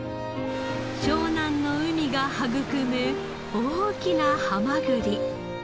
湘南の海が育む大きなハマグリ。